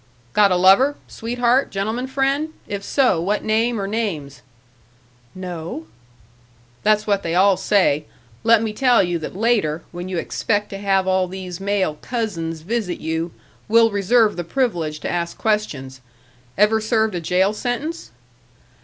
"Got a lover, sweetheart, gentleman friend? If so, what name or names?" "No." "That's what they all say. Let me tell you that later, when you expect to have all these male cousins visit you, we'll reserve the privilege to ask questions.... Ever served a jail sentence?"